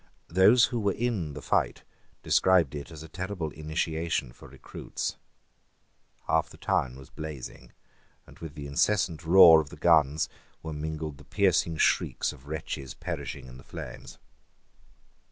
Those who were in the fight described it as a terrible initiation for recruits. Half the town was blazing; and with the incessant roar of the guns were mingled the piercing shrieks of wretches perishing in the flames.